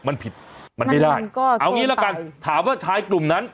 มันผิดมันไม่ได้เอางี้ละกันถามว่าชายกลุ่มนั้น